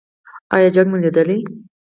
ایا جنګ مو لیدلی؟